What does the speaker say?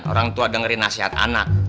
orang tua dengerin nasihat anak